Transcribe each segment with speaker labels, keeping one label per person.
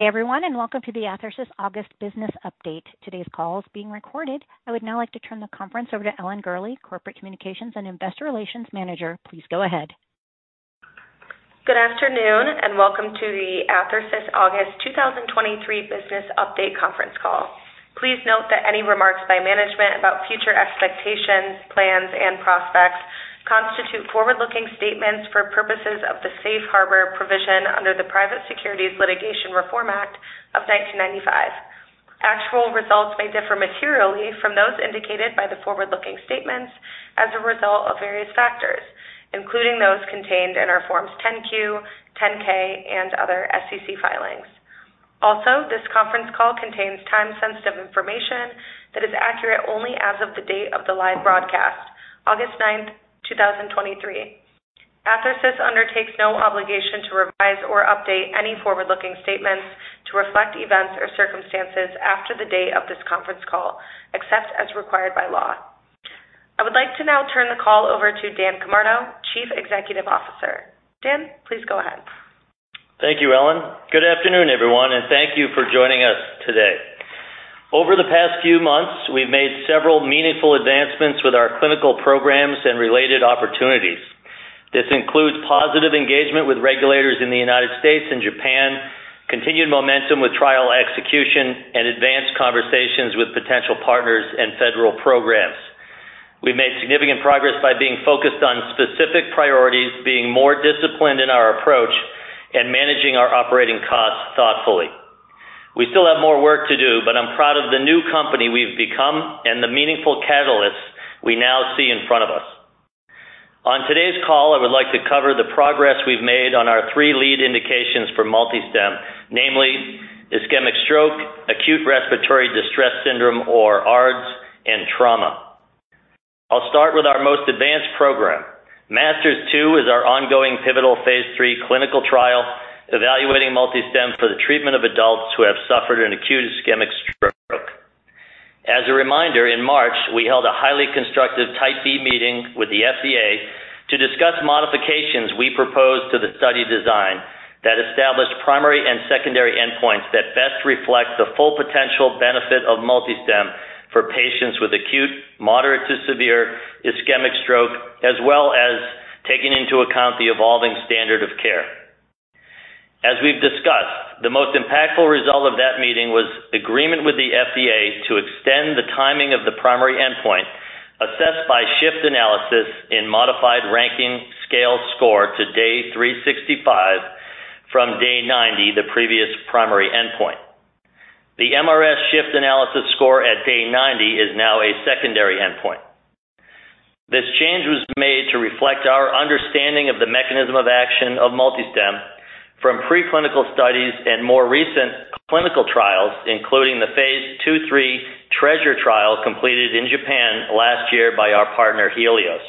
Speaker 1: Everyone, welcome to the Athersys August Business Update. Today's call is being recorded. I would now like to turn the conference over to Ellen Gurley, Corporate Communications and Investor Relations Manager. Please go ahead.
Speaker 2: Good afternoon, welcome to the Athersys August 2023 Business Update conference call. Please note that any remarks by management about future expectations, plans, and prospects constitute forward-looking statements for purposes of the Safe Harbor provision under the Private Securities Litigation Reform Act of 1995. Actual results may differ materially from those indicated by the forward-looking statements as a result of various factors, including those contained in our Forms 10-Q, 10-K, and other SEC filings. Also, this conference call contains time-sensitive information that is accurate only as of the date of the live broadcast, August 9, 2023. Athersys undertakes no obligation to revise or update any forward-looking statements to reflect events or circumstances after the date of this conference call, except as required by law. I would like to now turn the call over to Dan Camardo, Chief Executive Officer. Dan, please go ahead.
Speaker 3: Thank you, Ellen. Good afternoon, everyone, and thank you for joining us today. Over the past few months, we've made several meaningful advancements with our clinical programs and related opportunities. This includes positive engagement with regulators in the United States and Japan, continued momentum with trial execution, and advanced conversations with potential partners and federal programs. We've made significant progress by being focused on specific priorities, being more disciplined in our approach, and managing our operating costs thoughtfully. We still have more work to do, but I'm proud of the new company we've become and the meaningful catalysts we now see in front of us. On today's call, I would like to cover the progress we've made on our three lead indications for MultiStem, namely ischemic stroke, acute respiratory distress syndrome or ARDS, and trauma. I'll start with our most advanced program. MASTERS-2 is our ongoing pivotal phase III clinical trial, evaluating MultiStem for the treatment of adults who have suffered an acute ischemic stroke. As a reminder, in March, we held a highly constructive Type B meeting with the FDA to discuss modifications we proposed to the study design that established primary and secondary endpoints that best reflect the full potential benefit of MultiStem for patients with acute, moderate to severe ischemic stroke, as well as taking into account the evolving standard of care. As we've discussed, the most impactful result of that meeting was agreement with the FDA to extend the timing of the primary endpoint, assessed by shift analysis in modified Rankin Scale score to day 365 from day 90, the previous primary endpoint. The MRS shift analysis score at day 90 is now a secondary endpoint. This change was made to reflect our understanding of the mechanism of action of MultiStem from preclinical studies and more recent clinical trials, including the phase II/III TREASURE trial completed in Japan last year by our partner, Healios.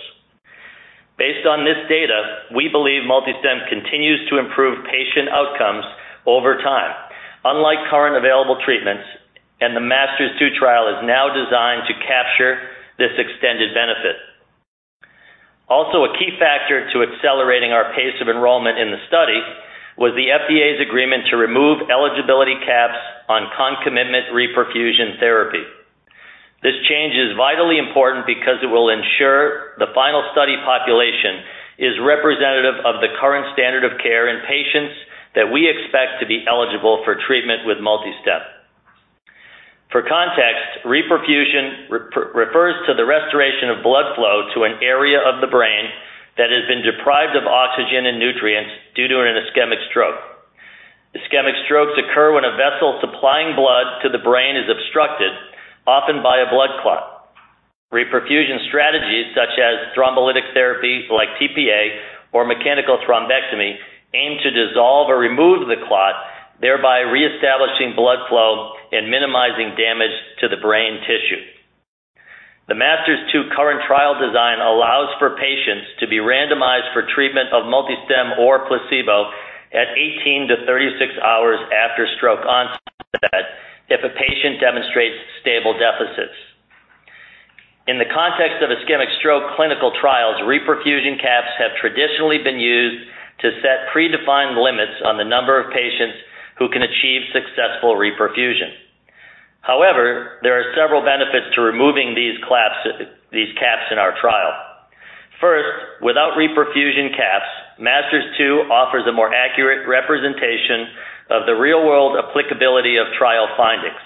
Speaker 3: Based on this data, we believe MultiStem continues to improve patient outcomes over time, unlike current available treatments, and the MASTERS-2 trial is now designed to capture this extended benefit. Also, a key factor to accelerating our pace of enrollment in the study was the FDA's agreement to remove eligibility caps on non-commitment reperfusion therapy. This change is vitally important because it will ensure the final study population is representative of the current standard of care in patients that we expect to be eligible for treatment with MultiStem. For context, reperfusion refers to the restoration of blood flow to an area of the brain that has been deprived of oxygen and nutrients due to an ischemic stroke. Ischemic strokes occur when a vessel supplying blood to the brain is obstructed, often by a blood clot. Reperfusion strategies, such as thrombolytic therapy like tPA or mechanical thrombectomy, aim to dissolve or remove the clot, thereby reestablishing blood flow and minimizing damage to the brain tissue. The MASTERS-2 current trial design allows for patients to be randomized for treatment of MultiStem or placebo at 18 to 36 hours after stroke onset if a patient demonstrates stable deficits. In the context of ischemic stroke clinical trials, reperfusion caps have traditionally been used to set predefined limits on the number of patients who can achieve successful reperfusion. There are several benefits to removing these caps in our trial. First, without reperfusion caps, MASTERS-2 offers a more accurate representation of the real-world applicability of trial findings.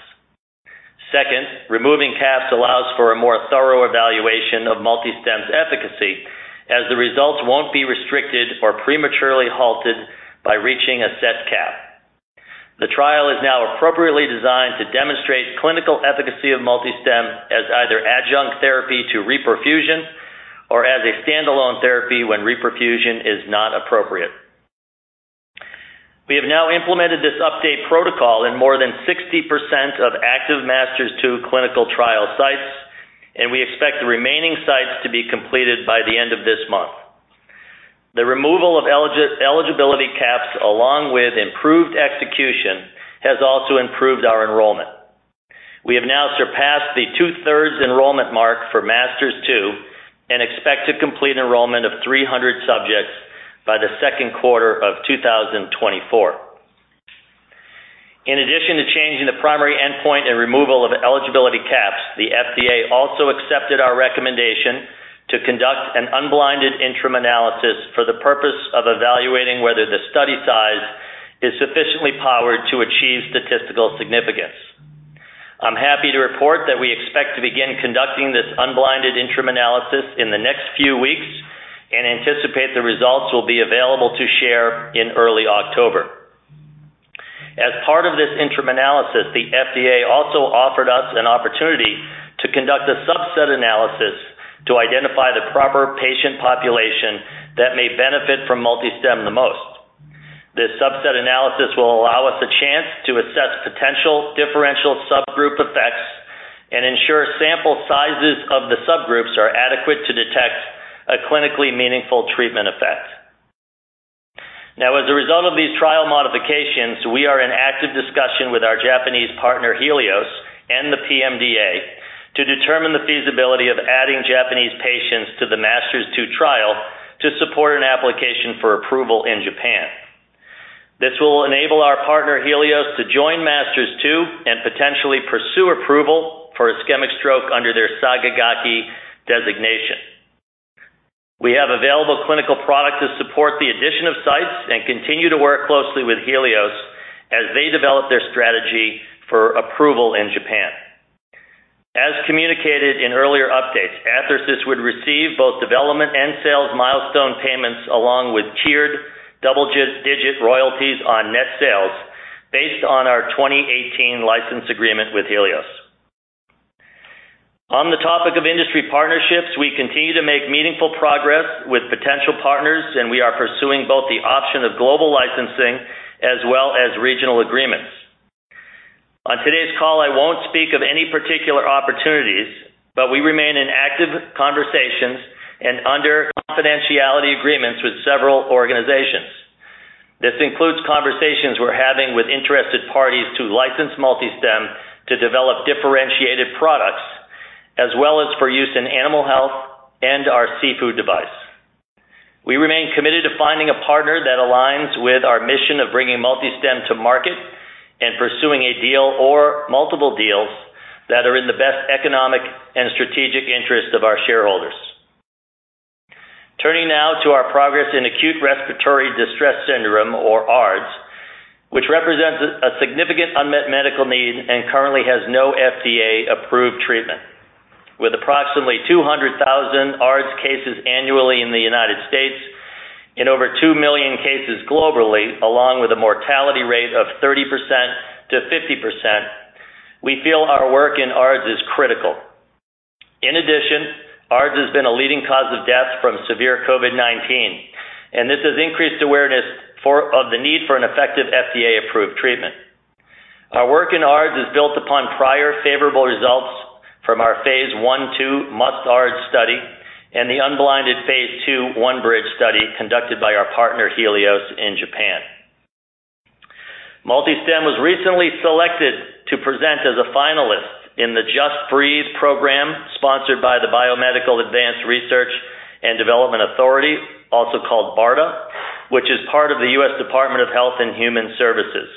Speaker 3: Second, removing caps allows for a more thorough evaluation of MultiStem's efficacy, as the results won't be restricted or prematurely halted by reaching a set cap. The trial is now appropriately designed to demonstrate clinical efficacy of MultiStem as either adjunct therapy to reperfusion or as a standalone therapy when reperfusion is not appropriate. We have now implemented this update protocol in more than 60% of active MASTERS-2 clinical trial sites, We expect the remaining sites to be completed by the end of this month. The removal of eligibility caps, along with improved execution, has. We have now surpassed the two-thirds enrollment mark for MASTERS-2 and expect to complete enrollment of 300 subjects by the second quarter of 2024. In addition to changing the primary endpoint and removal of eligibility caps, the FDA also accepted our recommendation to conduct an unblinded interim analysis for the purpose of evaluating whether the study size is sufficiently powered to achieve statistical significance. I'm happy to report that we expect to begin conducting this unblinded interim analysis in the next few weeks and anticipate the results will be available to share in early October. As part of this interim analysis, the FDA also offered us an opportunity to conduct a subset analysis to identify the proper patient population that may benefit from MultiStem the most. This subset analysis will allow us a chance to assess potential differential subgroup effects and ensure sample sizes of the subgroups are adequate to detect a clinically meaningful treatment effect. As a result of these trial modifications, we are in active discussion with our Japanese partner, Healios, and the PMDA, to determine the feasibility of adding Japanese patients to the MASTERS-2 trial to support an application for approval in Japan. This will enable our partner, Healios, to join MASTERS-2 and potentially pursue approval for ischemic stroke under their Sakigake designation. We have available clinical product to support the addition of sites and continue to work closely with Healios as they develop their strategy for approval in Japan. As communicated in earlier updates, Athersys would receive both development and sales milestone payments, along with tiered double digit royalties on net sales based on our 2018 license agreement with Healios. On the topic of industry partnerships, we continue to make meaningful progress with potential partners, and we are pursuing both the option of global licensing as well as regional agreements. On today's call, I won't speak of any particular opportunities, but we remain in active conversations and under confidentiality agreements with several organizations. This includes conversations we're having with interested parties to license MultiStem to develop differentiated products, as well as for use in animal health and our SIFU device. We remain committed to finding a partner that aligns with our mission of bringing MultiStem to market and pursuing a deal or multiple deals that are in the best economic and strategic interest of our shareholders. Turning now to our progress in acute respiratory distress syndrome, or ARDS, which represents a significant unmet medical need and currently has no FDA-approved treatment. With approximately 200,000 ARDS cases annually in the United States and over two million cases globally, along with a mortality rate of 30%-50%, we feel our work in ARDS is critical. In addition, ARDS has been a leading cause of death from severe COVID-19, and this has increased awareness of the need for an effective FDA-approved treatment. Our work in ARDS is built upon prior favorable results from our Phase I/II MUST-ARDS study and the unblinded Phase II bridge study conducted by our partner, Healios, in Japan. MultiStem was recently selected to present as a finalist in the Just Breathe program, sponsored by the Biomedical Advanced Research and Development Authority, also called BARDA, which is part of the U.S. Department of Health and Human Services.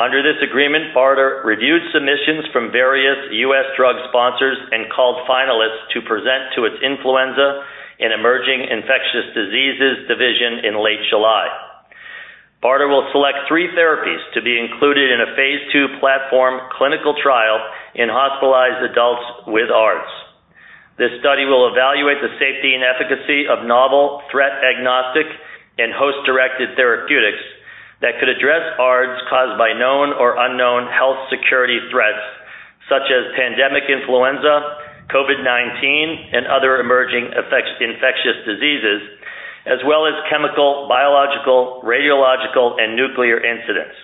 Speaker 3: Under this agreement, BARDA reviewed submissions from various U.S. drug sponsors and called finalists to present to its Influenza and Emerging Infectious Diseases Division in late July. BARDA will select three therapies to be included in a Phase II platform clinical trial in hospitalized adults with ARDS. This study will evaluate the safety and efficacy of novel, threat-agnostic, and host-directed therapeutics that could address ARDS caused by known or unknown health security threats, such as pandemic influenza, COVID-19, and other emerging infectious diseases, as well as chemical, biological, radiological, and nuclear incidents.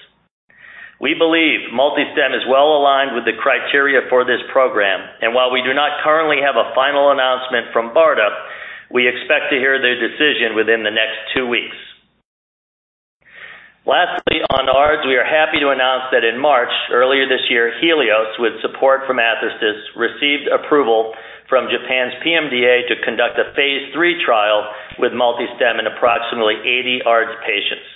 Speaker 3: We believe MultiStem is well aligned with the criteria for this program, while we do not currently have a final announcement from BARDA, we expect to hear their decision within the next two weeks. Lastly, on ARDS, we are happy to announce that in March, earlier this year, Healios, with support from Athersys, received approval from Japan's PMDA to conduct a Phase III trial with MultiStem in approximately 80 ARDS patients.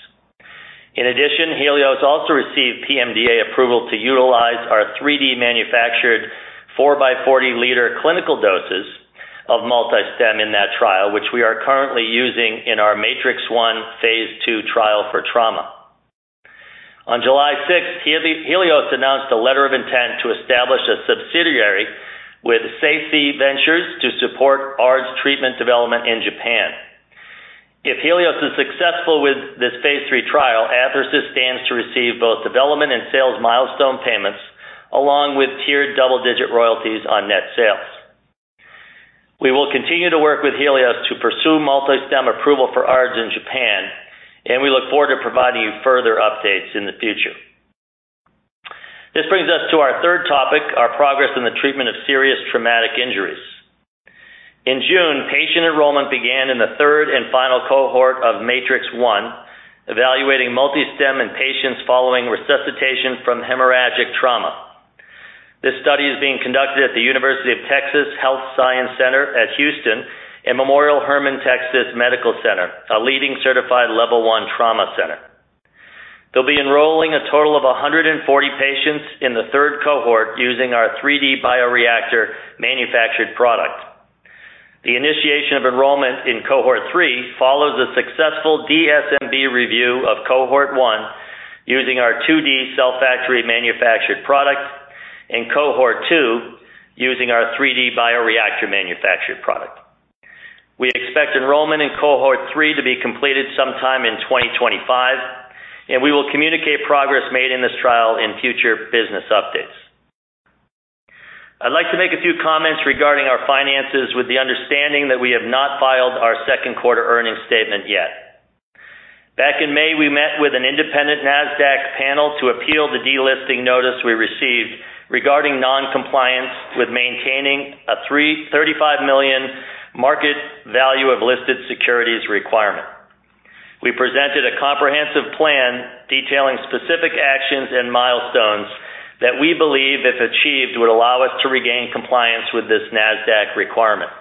Speaker 3: Healios also received PMDA approval to utilize our 3D manufactured 4x40 liter clinical doses of MultiStem in that trial, which we are currently using in our MATRICS-1 Phase II trial for trauma. On July 6th, Healios announced a letter of intent to establish a subsidiary with Saisei Ventures to support ARDS treatment development in Japan. If Healios is successful with this Phase III trial, Athersys stands to receive both development and sales milestone payments, along with tiered double-digit royalties on net sales. We will continue to work with Healios to pursue MultiStem approval for ARDS in Japan. We look forward to providing you further updates in the future. This brings us to our third topic. Patient enrollment began in the 3rd and final cohort of MATRICS-1, evaluating MultiStem in patients following resuscitation from hemorrhagic trauma. This study is being conducted at The University of Texas Health Science Center at Houston and Memorial Hermann-Texas Medical Center, a leading certified Level I trauma center. They'll be enrolling a total of 140 patients in the third cohort using our 3D bioreactor manufactured product. The initiation of enrollment in cohort one follows a successful DSMB review of cohort one, using our 2D cell factory manufactured product, and cohort two, using our 3D bioreactor manufactured product. We expect enrollment in cohort three to be completed sometime in 2025, and we will communicate progress made in this trial in future business updates. I'd like to make a few comments regarding our finances with the understanding that we have not filed our second quarter earnings statement yet. Back in May, we met with an independent Nasdaq panel to appeal the delisting notice we received regarding non-compliance with maintaining a $35 million market value of listed securities requirement. We presented a comprehensive plan detailing specific actions and milestones that we believe, if achieved, would allow us to regain compliance with this Nasdaq requirement.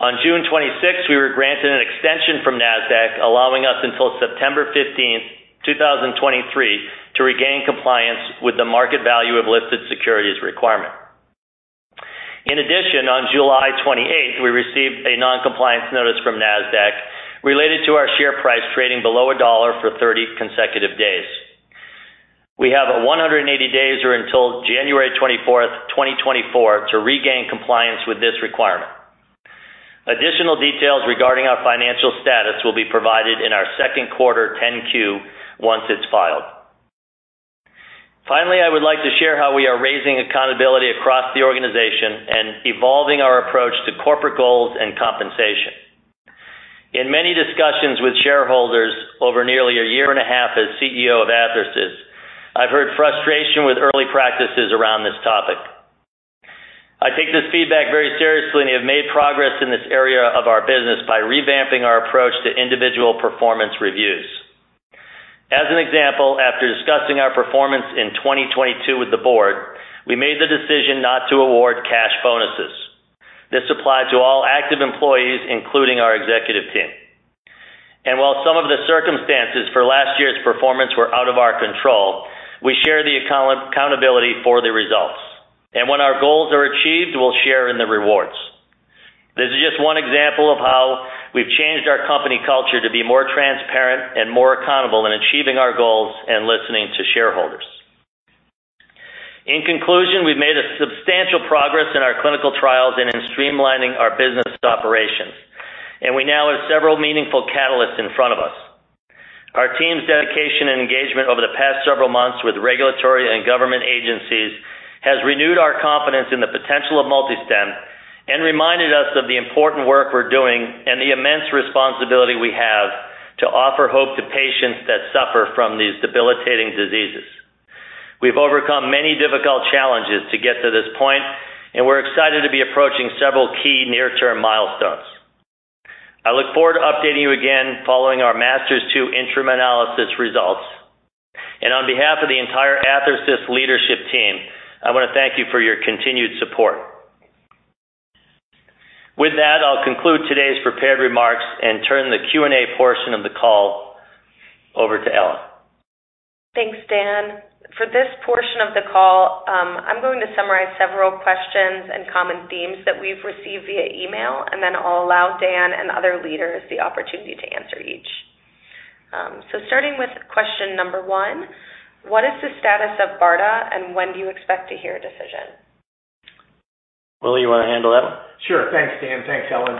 Speaker 3: On June 26, we were granted an extension from Nasdaq, allowing us until September 15, 2023, to regain compliance with the market value of listed securities requirement. In addition, on July 28, we received a non-compliance notice from Nasdaq related to our share price trading below $1 for 30 consecutive days. We have 180 days or until January 24, 2024, to regain compliance with this requirement. Additional details regarding our financial status will be provided in our 2Q 10-Q once it's filed. Finally, I would like to share how we are raising accountability across the organization and evolving our approach to corporate goals and compensation. In many discussions with shareholders over nearly a year and a half as CEO of Athersys, I've heard frustration with early practices around this topic. I take this feedback very seriously. We have made progress in this area of our business by revamping our approach to individual performance reviews. As an example, after discussing our performance in 2022 with the board, we made the decision not to award cash bonuses. This applied to all active employees, including our executive team. While some of the circumstances for last year's performance were out of our control, we share the accountability for the results. When our goals are achieved, we'll share in the rewards. This is just one example of how we've changed our company culture to be more transparent and more accountable in achieving our goals and listening to shareholders. In conclusion, we've made substantial progress in our clinical trials and in streamlining our business operations, and we now have several meaningful catalysts in front of us. Our team's dedication and engagement over the past several months with regulatory and government agencies has renewed our confidence in the potential of MultiStem and reminded us of the important work we're doing and the immense responsibility we have to offer hope to patients that suffer from these debilitating diseases. We've overcome many difficult challenges to get to this point, and we're excited to be approaching several key near-term milestones. I look forward to updating you again following our MASTERS-2 interim analysis results. On behalf of the entire Athersys leadership team, I want to thank you for your continued support. With that, I'll conclude today's prepared remarks and turn the Q&A portion of the call over to Ellen.
Speaker 2: Thanks, Dan. For this portion of the call, I'm going to summarize several questions and common themes that we've received via email. Then I'll allow Dan and other leaders the opportunity to answer each. Starting with question number one: What is the status of BARDA, and when do you expect to hear a decision?
Speaker 3: Willie, you want to handle that one?
Speaker 4: Sure. Thanks, Dan. Thanks, Ellen.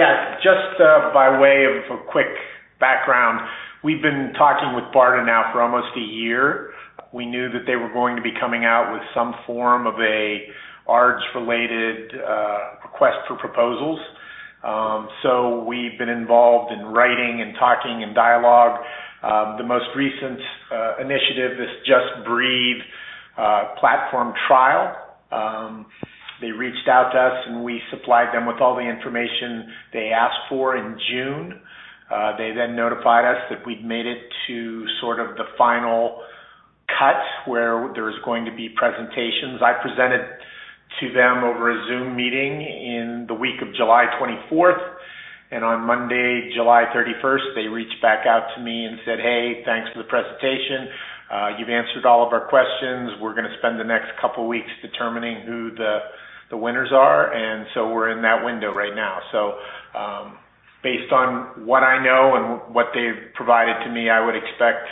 Speaker 4: Yeah, just by way of a quick background, we've been talking with BARDA now for almost a year. We knew that they were going to be coming out with some form of a ARDS-related request for proposals. We've been involved in writing and talking and dialogue. The most recent initiative, this Just Breathe platform trial. They reached out to us, we supplied them with all the information they asked for in June. They notified us that we'd made it to sort of the final cut, where there was going to be presentations. I presented to them over a Zoom meeting in the week of July 24th, on Monday, July 31st, they reached back out to me and said, "Hey, thanks for the presentation. You've answered all of our questions. We're going to spend the next two weeks determining who the, the winners are." We're in that window right now. Based on what I know and what they've provided to me, I would expect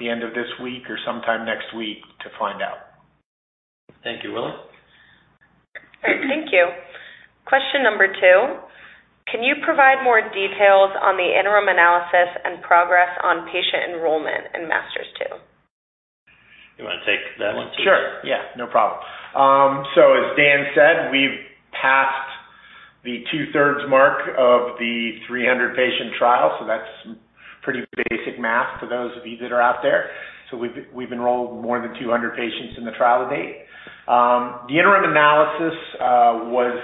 Speaker 4: the end of this week or sometime next week to find out.
Speaker 3: Thank you, Willie.
Speaker 2: Thank you. Question number two: Can you provide more details on the interim analysis and progress on patient enrollment in MASTERS-2?
Speaker 3: You want to take that one, too?
Speaker 4: Sure. Yeah, no problem. As Dan said, we've passed the two-thirds mark of the 300-patient trial, that's pretty basic math for those of you that are out there. We've enrolled more than 200 patients in the trial to date. The interim analysis was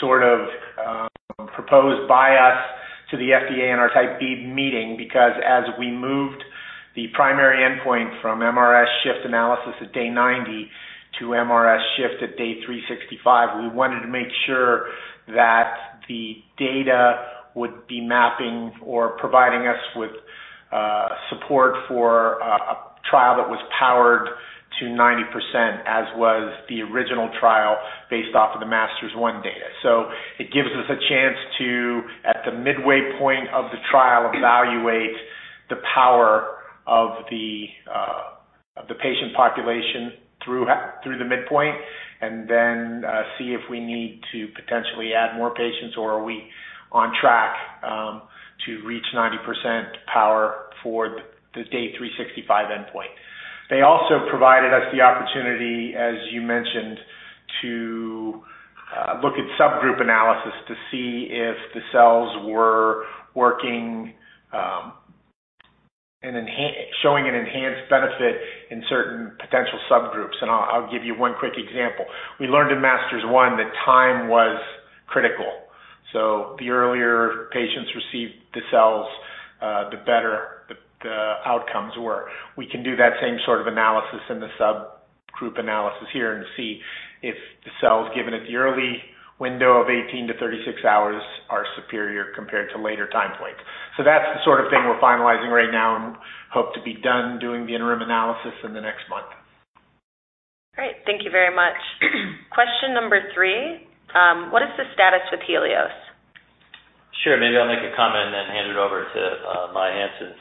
Speaker 4: sort of proposed by us to the FDA in our Type B meeting, because as we moved the primary endpoint from MRS shift analysis at day 90 to MRS shift at day 365, we wanted to make sure that the data would be mapping or providing us with support for a trial that was powered to 90%, as was the original trial based off of the MASTERS-1 data. It gives us a chance to, at the midway point of the trial, evaluate the power of the patient population through through the midpoint, and then, see if we need to potentially add more patients or are we on track to reach 90% power for the day 365 endpoint. They also provided us the opportunity, as you mentioned, to look at subgroup analysis to see if the cells were working, and enhance... showing an enhanced benefit in certain potential subgroups. I'll give you one quick example. We learned in MASTERS-1 that time was critical. The earlier patients received the cells, the better the, the outcomes were. We can do that same sort of analysis in the subgroup analysis here and see if the cells given at the early window of 18 to 36 hours are superior compared to later time points. That's the sort of thing we're finalizing right now and hope to be done doing the interim analysis in the next month.
Speaker 2: Great. Thank you very much. Question number three: What is the status with Healios?
Speaker 3: Sure. Maybe I'll make a comment and then hand it over to Maia Hansen.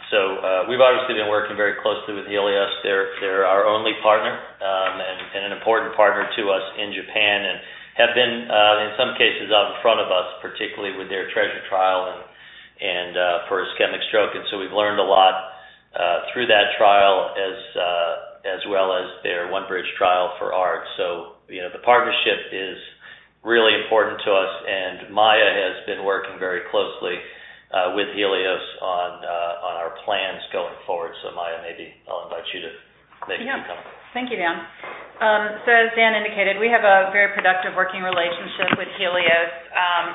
Speaker 3: We've obviously been working very closely with Healios. They're our only partner, and, and an important partner to us in Japan, and have been, in some cases, out in front of us, particularly with their TREASURE trial and for ischemic stroke. We've learned a lot through that trial as well as their ONE-BRIDGE trial for ARDS. You know, the partnership is really important to us, and Maia has been working very closely with Healios on our plans going forward. Maia, maybe I'll invite you to maybe make a comment.
Speaker 5: Yeah. Thank you, Dan. As Dan indicated, we have a very productive working relationship with Healios,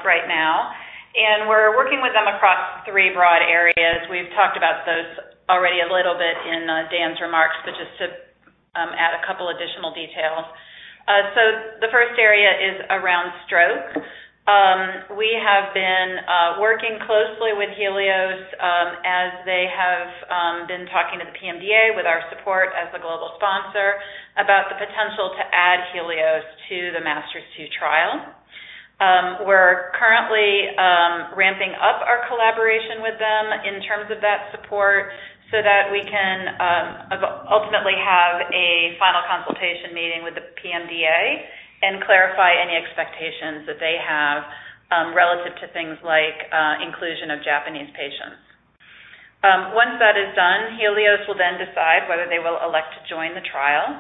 Speaker 5: right now, and we're working with them across three broad areas. We've talked about those already a little bit in Dan's remarks, but just to add a couple additional details. The first area is around stroke. We have been working closely with Healios, as they have been talking to the PMDA, with our support as a global sponsor, about the potential to add Healios to the MASTERS-2 trial. We're currently ramping up our collaboration with them in terms of that support so that we can ultimately have a final consultation meeting with the PMDA and clarify any expectations that they have, relative to things like inclusion of Japanese patients. Once that is done, Healios will then decide whether they will elect to join the trial.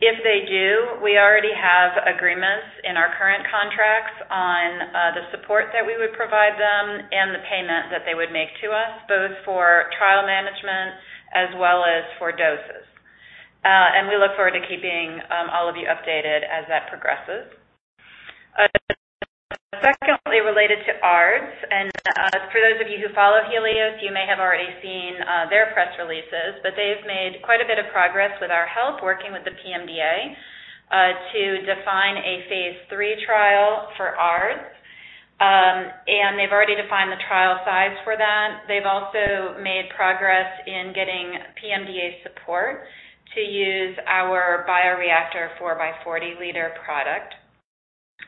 Speaker 5: If they do, we already have agreements in our current contracts on the support that we would provide them and the payment that they would make to us, both for trial management as well as for doses. We look forward to keeping all of you updated as that progresses. Secondly, related to ARDS, for those of you who follow Healios, you may have already seen their press releases, but they've made quite a bit of progress with our help, working with the PMDA to define a Phase III trial for ARDS. They've already defined the trial size for that. They've also made progress in getting PMDA support to use our bioreactor 4x40 liter product.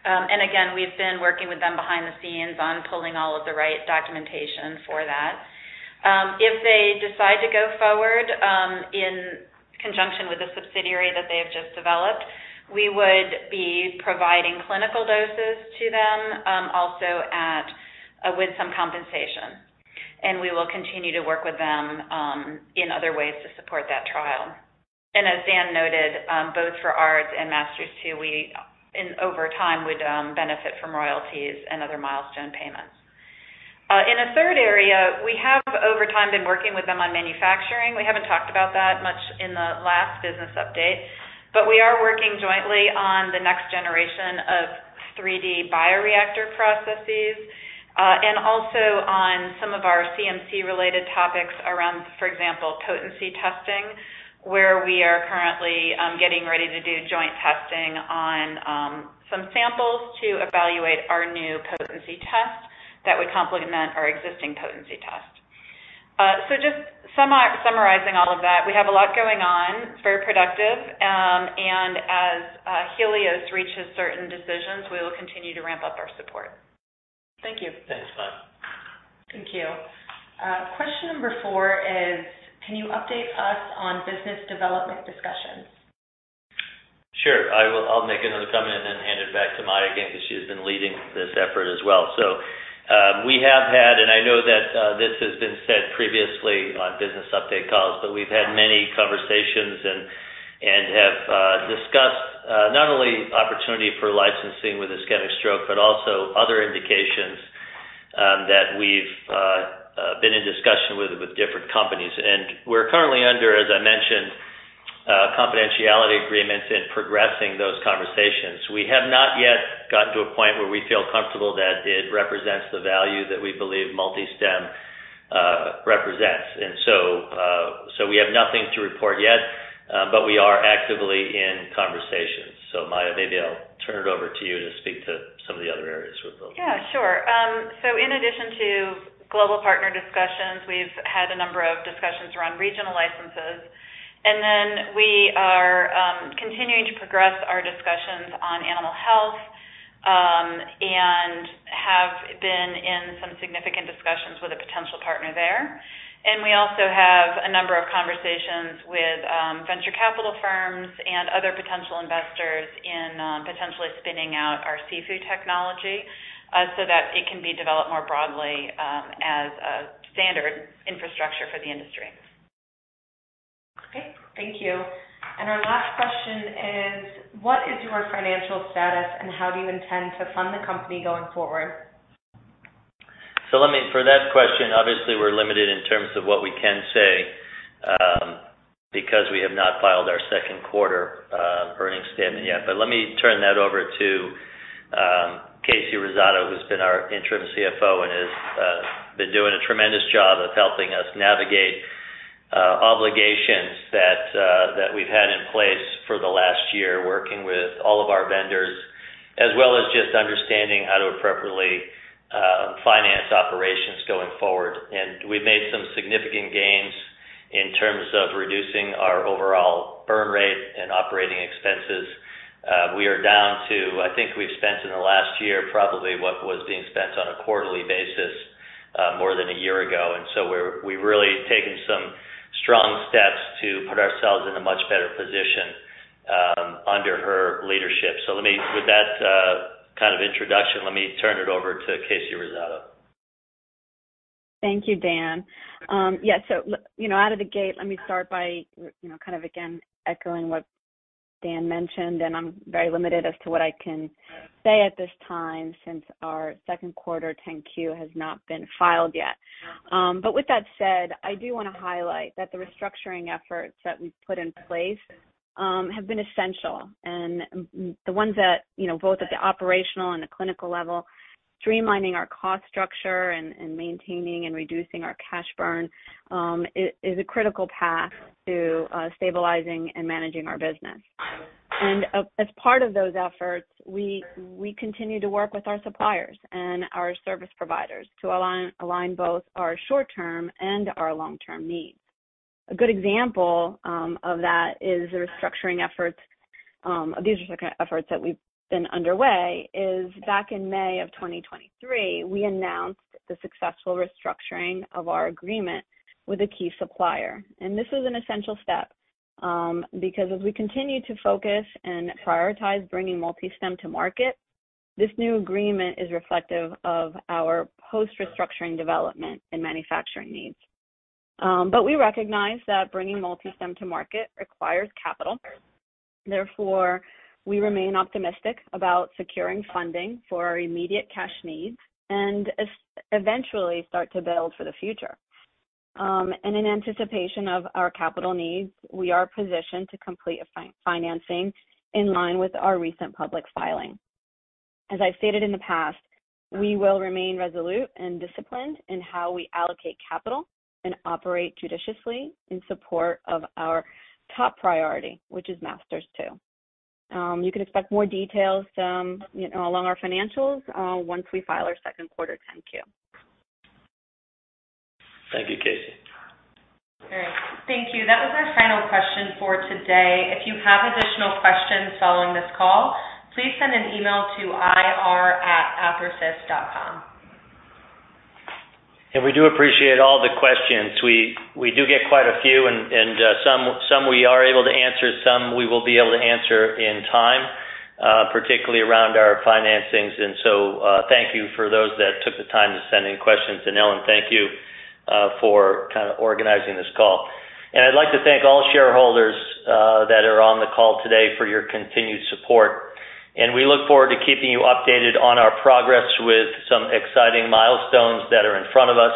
Speaker 5: Again, we've been working with them behind the scenes on pulling all of the right documentation for that. If they decide to go forward, in conjunction with the subsidiary that they have just developed, we would be providing clinical doses to them, also at, with some compensation. We will continue to work with them in other ways to support that trial. As Dan noted, both for ARDS and MASTERS-2, we, and over time, would benefit from royalties and other milestone payments. In a third area, we have over time been working with them on manufacturing. We haven't talked about that much in the last business update, we are working jointly on the next generation of 3D bioreactor processes, and also on some of our CMC-related topics around, for example, potency testing, where we are currently getting ready to do joint testing on some samples to evaluate our new potency test that would complement our existing potency test. Just summarizing all of that, we have a lot going on, it's very productive, and as Healios reaches certain decisions, we will continue to ramp up our support.
Speaker 2: Thank you.
Speaker 3: Thanks, Maia.
Speaker 2: Thank you. Question number four is: Can you update us on business development discussions?
Speaker 3: Sure. I'll make another comment and then hand it back to Maya again, because she has been leading this effort as well. We have had, and I know that, this has been said previously on business update calls, but we've had many conversations, and have discussed not only opportunity for licensing with ischemic stroke, but also other indications, that we've been in discussion with, with different companies. We're currently under, as I mentioned, confidentiality agreements in progressing those conversations. We have not yet gotten to a point where we feel comfortable that it represents the value that we believe MultiStem represents. So, we have nothing to report yet, but we are actively in conversations. Maya, maybe I'll turn it over to you to speak to some of the other areas we're building.
Speaker 5: Yeah, sure. In addition to global partner discussions, we've had a number of discussions around regional licenses, and then we are continuing to progress our discussions on animal health, and have been in some significant discussions with a potential partner there. We also have a number of conversations with venture capital firms and other potential investors in potentially spinning out our SIFU technology, so that it can be developed more broadly as a standard infrastructure for the industry.
Speaker 2: Okay, thank you. Our last question is: what is your financial status, and how do you intend to fund the company going forward?
Speaker 3: Obviously, we're limited in terms of what we can say, because we have not filed our second quarter earnings statement yet. Let me turn that over to Kasey Rosado, who's been our Interim CFO and has been doing a tremendous job of helping us navigate obligations that we've had in place for the last year, working with all of our vendors, as well as just understanding how to appropriately finance operations going forward. We've made some significant gains in terms of reducing our overall burn rate and operating expenses. We are down to… I think we've spent in the last year, probably what was being spent on a quarterly basis, more than a year ago, we've really taken some strong steps to put ourselves in a much better position, under her leadership. Let me, with that, kind of introduction, let me turn it over to Kasey Rosado.
Speaker 6: Thank you, Dan. Yeah, so you know, out of the gate, let me start by, you know, kind of again, echoing what Dan mentioned. I'm very limited as to what I can say at this time, since our second quarter 10-Q has not been filed yet. With that said, I do want to highlight that the restructuring efforts that we've put in place have been essential. The ones that, you know, both at the operational and the clinical level, streamlining our cost structure and, and maintaining and reducing our cash burn, is a critical path to stabilizing and managing our business. As part of those efforts, we continue to work with our suppliers and our service providers to align, align both our short-term and our long-term needs. A good example, of that is the restructuring efforts, of these efforts that we've been underway, is back in May of 2023, we announced the successful restructuring of our agreement with a key supplier. This is an essential step, because as we continue to focus and prioritize bringing MultiStem to market, this new agreement is reflective of our post-restructuring development and manufacturing needs. We recognize that bringing MultiStem to market requires capital. Therefore, we remain optimistic about securing funding for our immediate cash needs and eventually start to build for the future. In anticipation of our capital needs, we are positioned to complete a financing in line with our recent public filing. As I've stated in the past, we will remain resolute and disciplined in how we allocate capital and operate judiciously in support of our top priority, which is MASTERS-2. You can expect more details, you know, along our financials, once we file our second quarter 10-Q.
Speaker 3: Thank you, Kasey.
Speaker 2: All right, thank you. That was our final question for today. If you have additional questions following this call, please send an email to ir@athersys.com.
Speaker 3: We do appreciate all the questions. We, we do get quite a few, and, and, some, some we are able to answer, some we will be able to answer in time, particularly around our financings. Thank you for those that took the time to send in questions. Ellen, thank you, for kind of organizing this call. I'd like to thank all shareholders, that are on the call today for your continued support. We look forward to keeping you updated on our progress with some exciting milestones that are in front of us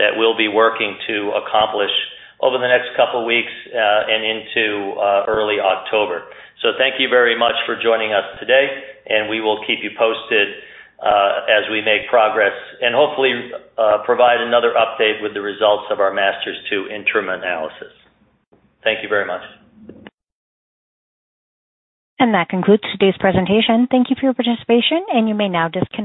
Speaker 3: that we'll be working to accomplish over the next couple of weeks, and into, early October. Thank you very much for joining us today, and we will keep you posted, as we make progress and hopefully, provide another update with the results of our MASTERS-2 interim analysis. Thank you very much.
Speaker 1: That concludes today's presentation. Thank you for your participation, and you may now disconnect.